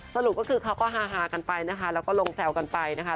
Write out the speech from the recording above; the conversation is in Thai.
สรุปก็คือเขาก็ฮากันไปนะคะแล้วก็ลงแซวกันไปนะคะ